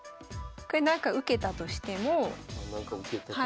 これなんか受けたとしてもはい。